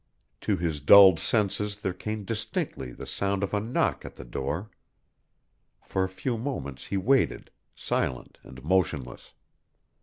To his dulled senses there came distinctly the sound of a knock at the door. For a few moments he waited, silent and motionless.